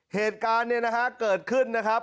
เหตุการณ์เนี่ยนะฮะเกิดขึ้นนะครับ